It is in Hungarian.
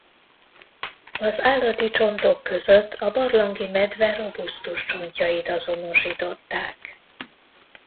Az állati csontok között a barlangi medve robusztus csontjait azonosították.